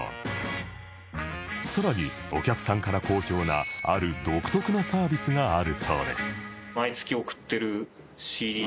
さらにお客さんから好評なある独特なサービスがあるそうで